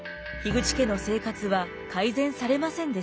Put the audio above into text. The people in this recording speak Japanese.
口家の生活は改善されませんでした。